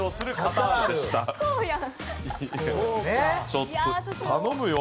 ちょっと頼むよ。